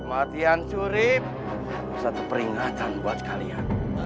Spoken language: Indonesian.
latihan curip satu peringatan buat kalian